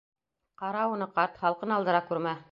— Ҡара уны, ҡарт, һалҡын алдыра күрмә.